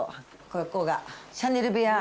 ここがシャネル部屋。